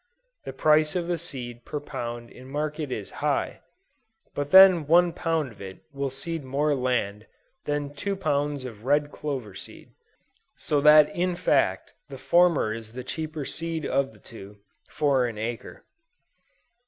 The price of the seed per pound in market is high; but then one pound of it will seed more land, than two pounds of red clover seed; so that in fact the former is the cheaper seed of the two, for an acre."